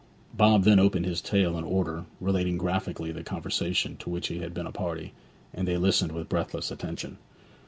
Bob then opened his tale in order, relating graphically the conversation to which he had been a party, and they listened with breathless attention.